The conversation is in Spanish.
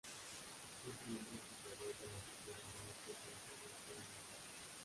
Es miembro fundador de la Sociedad Religiosa Nacional Para el Ambiente.